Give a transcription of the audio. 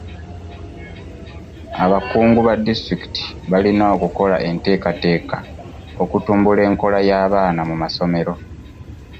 Abakungu ba disitulikiti balina okukola enteekateeka okutumbula enkola y'abaana mu masomero.